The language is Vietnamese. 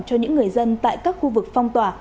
cho những người dân tại các khu vực phong tỏa